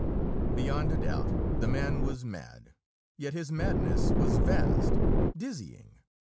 Beyond a doubt, the man was mad; yet his madness was vast, dizzying.